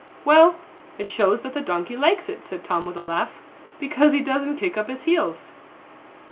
"Well, it shows that the donkey likes it," said Tom, with a laugh, "because he doesn't kick up his heels."